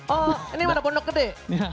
oh ini mana pondok gede